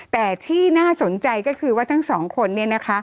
แต่ที่น่าสนใจก็คือว่าทั้งสองคน